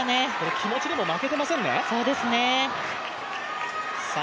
気持ちでも負けていませんね。